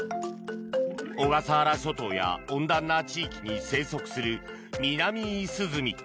小笠原諸島や温暖な地域に生息する、ミナミイスズミ。